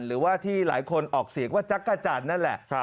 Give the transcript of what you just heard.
หรือว่าที่หลายคนออกเสียงว่าจักรจันทร์นั่นแหละ